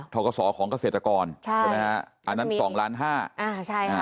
กศของเกษตรกรใช่ใช่ไหมฮะอันนั้นสองล้านห้าอ่าใช่ค่ะ